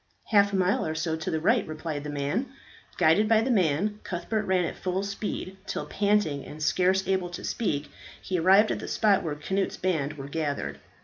"Half a mile or so to the right," replied the man. Guided by the man, Cuthbert ran at full speed, till, panting and scarce able to speak, he arrived at the spot where Cnut's band were gathered.